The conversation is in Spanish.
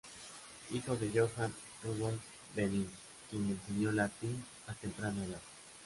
Hijo de Johann Rudolph Denis, quien le enseñó latín a temprana edad.